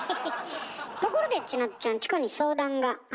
ところでちなっちゃんチコに相談があるらしいわね。